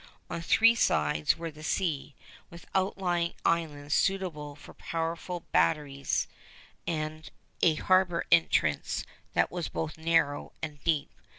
On three sides were the sea, with outlying islands suitable for powerful batteries and a harbor entrance that was both narrow and deep.